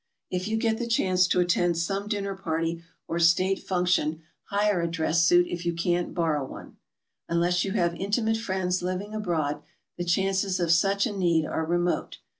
If you get the chance to attend some dinner party or state function, hire a dress suit if you can't borrow one. Unless you have iiitimate friends living abroad, the chances of such a need are remote.